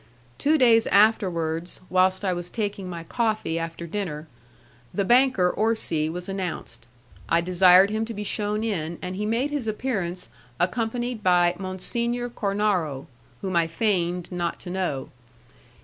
Two days afterwards, whilst I was taking my coffee after dinner, the banker Orsi was announced. I desired him to be shewn in, and he made his appearance accompanied my Monsignor Cornaro, whom I feigned not to know.